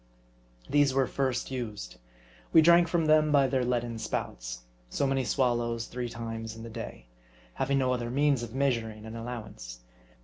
These were first used. We drank from them by their leaden spouts ; so many swallows three times in the day ; having no other means of measur ing an allowance.